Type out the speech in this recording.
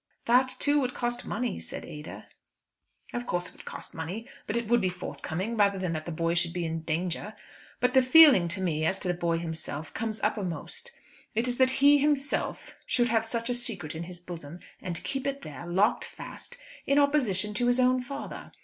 "That, too, would cost money," said Ada. "Of course it would cost money, but it would be forthcoming, rather than that the boy should be in danger. But the feeling, to me, as to the boy himself, comes uppermost. It is that he himself should have such a secret in his bosom, and keep it there, locked fast, in opposition to his own father.